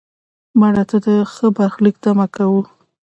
مړه ته د ښه برخلیک تمه کوو